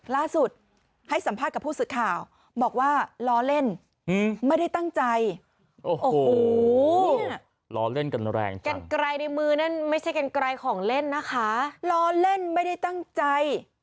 ล่าสุดให้สัมภาษณ์กับผู้สื่อข่าวบอกว่าล้อเล่นไม่ได้ตั้งใจ